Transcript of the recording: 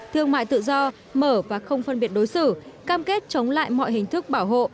thương mại tự do mở và không phân biệt đối xử cam kết chống lại mọi hình thức bảo hộ